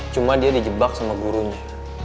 cuma dia di jebak sama gurunya